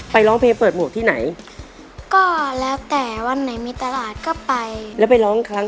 ร้องเพลงเปิดหมวกที่ไหนก็แล้วแต่วันไหนมีตลาดก็ไปแล้วไปร้องครั้ง